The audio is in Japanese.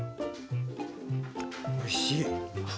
おいしい。